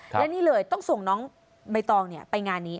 และนี่เลยต้องส่งน้องใบตองไปงานนี้